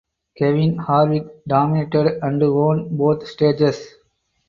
Kevin Harvick dominated and won both stages.